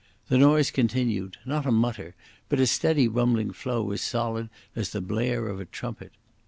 The noise continued—not a mutter, but a steady rumbling flow as solid as the blare of a trumpet.